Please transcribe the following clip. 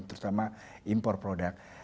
terutama import produk